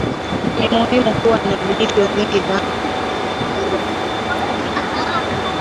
ni muhimu kuwa na vijito vingi Na